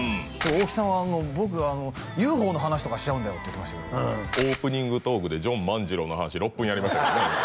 大木さんは「僕ＵＦＯの話とかしちゃうんだよ」って言ってオープニングトークでジョン万次郎の話６分やりましたからね